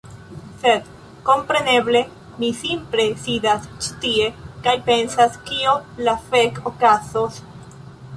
Sed, kompreneble, mi simple sidas ĉi tie kaj pensas kio la fek okazos?